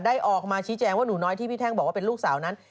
ออกมาชี้แจงว่าหนูน้อยที่พี่แท่งบอกว่าเป็นลูกสาวนั้น